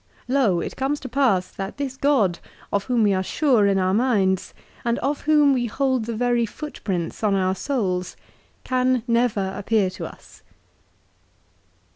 " Lo, it comes to pass that this god, of whom we are sure in our minds, and of whom we hold the very footprints on our souls, can never appear to us."